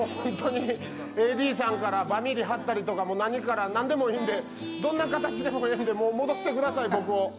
ＡＤさんから、バミリ貼ったりとか、なにから、なんでもいいんでどんな形でもいいんでもう戻してください、僕を。